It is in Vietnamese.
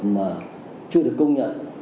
mà chưa được công nhận